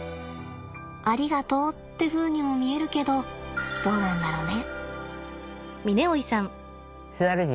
ありがとってふうにも見えるけどどうなんだろうね。